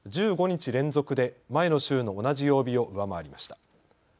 １５日連続で前の週の同じ曜日を上回りました。